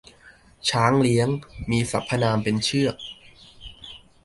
ช้างเลี้ยง มีสรรพนามเป็นเชือก